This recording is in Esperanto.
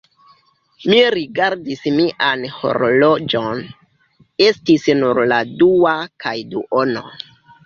Mi rigardis mian horloĝon: estis nur la dua kaj duono.